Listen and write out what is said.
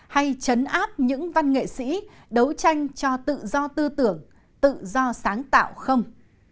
hay chấn áp những văn nghệ sĩ đấu tranh cho tự do tư tưởng tự do sáng tạo không